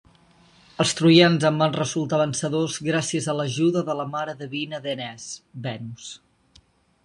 Els troians en van resultar vencedors gràcies a l'ajuda de la mare divina d'Enees, Venus.